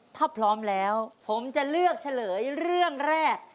ถ้าพร้อมแล้วผมจะเลือกเฉลยเรื่องแรก